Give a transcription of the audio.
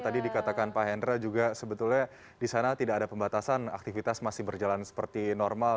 tadi dikatakan pak hendra juga sebetulnya di sana tidak ada pembatasan aktivitas masih berjalan seperti normal